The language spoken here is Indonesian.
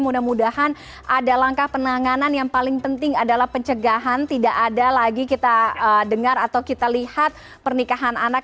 mudah mudahan ada langkah penanganan yang paling penting adalah pencegahan tidak ada lagi kita dengar atau kita lihat pernikahan anak